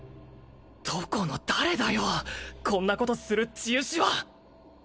どこの誰だよこんなことする治癒士は！